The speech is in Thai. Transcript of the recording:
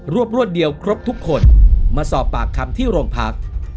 รวดเดียวครบทุกคนมาสอบปากคำที่โรงพัก